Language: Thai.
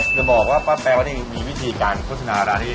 จะบอกว่าป้าแป๊วนี่มีวิธีการโฆษณาร้านนี้